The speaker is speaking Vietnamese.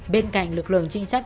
bên cạnh lực lượng trinh sát